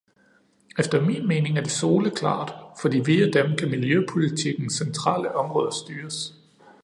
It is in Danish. Efter min mening er det soleklart, fordi via dem kan miljøpolitikkens centrale områder styres.